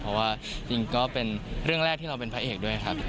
เพราะว่าจริงก็เป็นเรื่องแรกที่เราเป็นพระเอกด้วยครับ